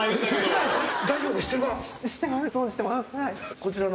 こちらの。